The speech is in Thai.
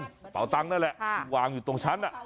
กระเป๋าตังนั่นแหละวางอยู่ตรงชั้น